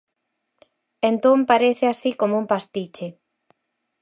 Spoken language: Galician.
Entón parece así como un pastiche.